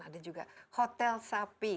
ada juga hotel sapi